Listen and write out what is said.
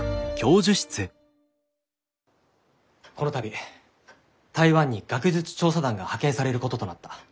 この度台湾に学術調査団が派遣されることとなった。